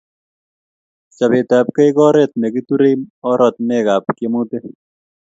Chopetapkei ko oret ne kiturei orokenetap tiemutik